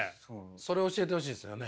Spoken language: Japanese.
それを教えてほしいですよね。